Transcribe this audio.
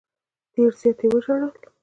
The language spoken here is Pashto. ډېر زیات یې وژړل.